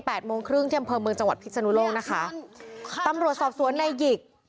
แปดโมงครึ่งเที่ยวเบิร์นเมืองจังหวัดพิษณุโลกนะคะค่ะตำรวจสอบสวนในหยิก